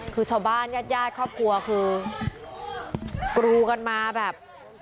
คือชาวบ้านญาติญาติครอบครัวคือกรูกันมาแบบ